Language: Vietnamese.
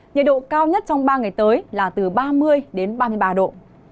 nhiệt độ cao nhất trong ba ngày tới là từ ba mươi đến ba mươi ba độ